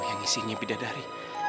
yang isinya bidadari